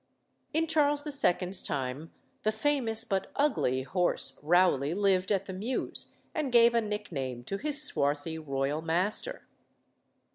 In Charles II.'s time the famous but ugly horse Rowley lived at the Mews, and gave a nickname to his swarthy royal master.